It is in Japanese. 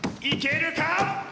いけるか？